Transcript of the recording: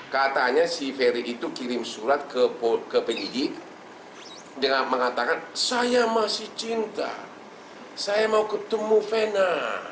katanya si ferry itu kirim surat ke penyidik dengan mengatakan saya masih cinta saya mau ketemu vena